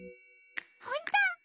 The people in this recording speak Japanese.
ほんと！？